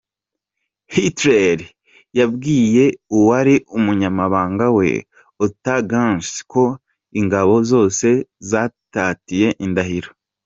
Hitler yabwiye uwari umunyamabanga we, Otto Günsche, ko ingabo zose zatatiye indahiro.